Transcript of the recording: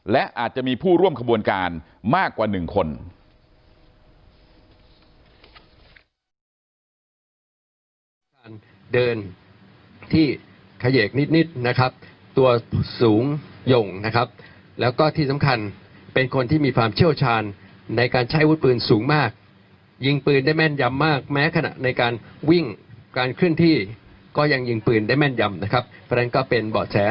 และอาจจะมีผู้ร่วมขบวนการมากกว่า๑คน